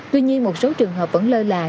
tuy nhiên một số trường hợp vẫn lơ là